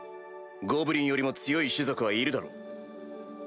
ゴブリンよりも強い種族はいるだろう。